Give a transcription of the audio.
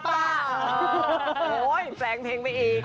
แปลงเพลงไปอีก